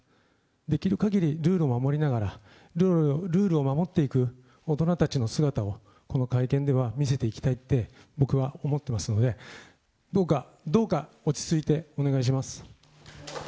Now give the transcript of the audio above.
できるかぎりルールを守りながら、ルールを守っていく大人たちの姿を、この会見では見せていきたいって、僕は思ってますので、どうか、どうか、落ち着いてお願いします。